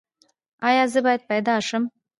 ایا زه باید پیدا شم؟